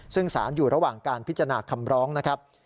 ซึ่งสารอยู่ระหว่างการพิจารณาคำร้องนะครับ